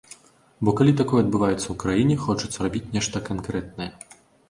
Бо, калі такое адбываецца ў краіне, хочацца рабіць нешта канкрэтнае.